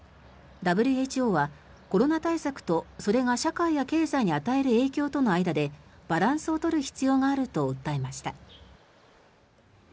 ＷＨＯはコロナ対策とそれが社会や経済に与える影響との間でバランスを取る必要があると訴えました。